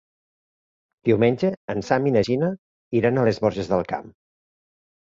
Diumenge en Sam i na Gina iran a les Borges del Camp.